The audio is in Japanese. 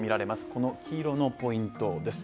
この黄色のポイントです。